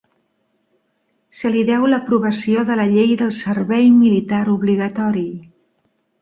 Se li deu l'aprovació de la Llei del Servei Militar Obligatori.